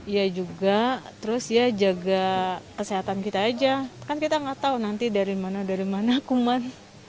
ya juga terus ya jaga kesehatan kita aja kan kita nggak tahu nanti dari mana dari mana kuman